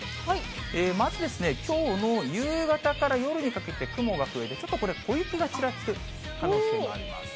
まず、きょうの夕方から夜にかけて雲が増えて、ちょっとこれ、小雪がちらつく可能性もあるんです。